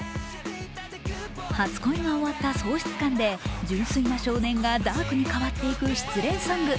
初恋が終わった喪失感で純粋な少年がダークに変わっていく失恋ソング。